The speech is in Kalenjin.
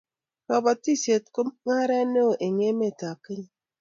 Kobotisiet ko mungaret neo eng emetab Kenya